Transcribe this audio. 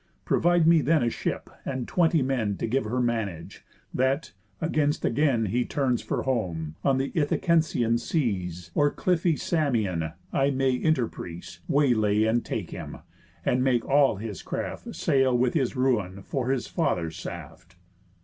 Provide me then a ship, and twenty men To give her manage, that, against again He turns for home, on th' Ithacensian seas, Or cliffy Samian, I may interprease, Way lay, and take him, and make all his craft Sail with his ruin for his father saft."